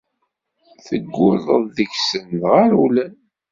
Teggulleḍ deg-sen, dɣa rewlen.